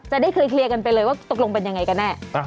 จะได้เคยเคลียร์กันไปเลยว่าตกลงเป็นยังไงกันแน่